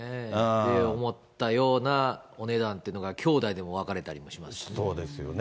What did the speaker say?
思ったようなお値段というのが、きょうだいでも分かれたりもしますしね。